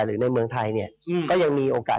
หรือในเมืองไทยก็ยังมีโอกาส